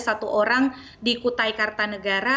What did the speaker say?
satu orang di kutai kartanegara